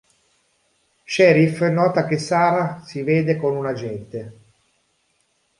Cherif nota che Sarah si vede con un agente.